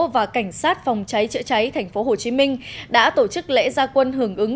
và cảnh sát phòng cháy chữa cháy tp hcm đã tổ chức lễ gia quân hưởng ứng